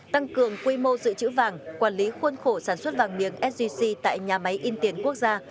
tăng cường quy mô dự trữ vàng quản lý khuôn khổ sản xuất vàng miếng sgc tại nhà máy in tiền quốc gia